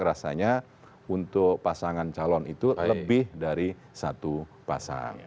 rasanya untuk pasangan calon itu lebih dari satu pasang